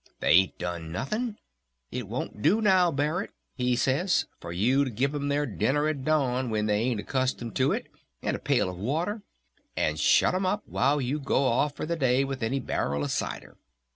They ain't done nothing.... It won't do now Barret', he says, 'for you to give 'em their dinner at dawn when they ain't accustomed to it, and a pail of water, and shut 'em up while you go off for the day with any barrel of cider.